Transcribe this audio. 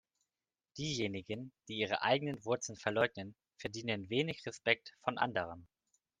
Diejenigen, die ihre eigenen Wurzeln verleugnen, verdienen wenig Respekt von anderen.